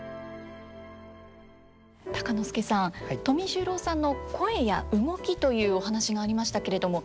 鷹之資さん富十郎さんの声や動きというお話がありましたけれども。